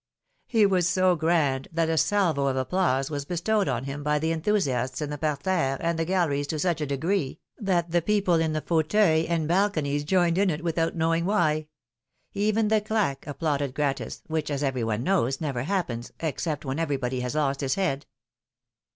" He was so grand, that a salvo of applause was bestowed on him by the enthusiasts in the parterre and the gal leries to such a degree, that the people in the fauteuils and balconies joined in it without knowing why; even the ''claque'^ applauded gratis, which, as every one knows, never happens, except when everybody has lost his head.